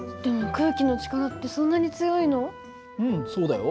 でもうんそうだよ。